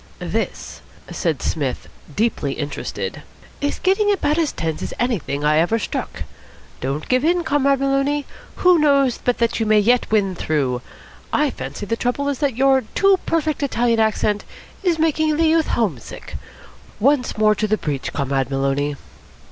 "This," said Psmith, deeply interested, "is getting about as tense as anything I ever struck. Don't give in, Comrade Maloney. Who knows but that you may yet win through? I fancy the trouble is that your too perfect Italian accent is making the youth home sick. Once more to the breach, Comrade Maloney."